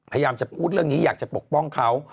พยายามจะพูดเรื่องนี้อยากจะปกป้องเขา